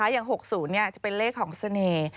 อย่าง๖๐จะเป็นเลขของเสน่ห์